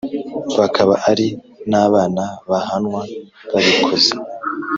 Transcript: bakaba ari n abana bahanwa babikoze